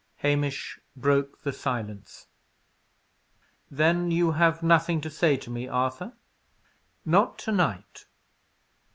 Hamish broke the silence. "Then you have nothing to say to me, Arthur?" "Not to night."